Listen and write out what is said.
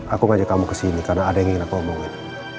aku ngajak kamu kesini karena ada yang ingin aku omongin